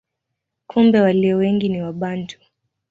Kumbe walio wengi ni Wabantu.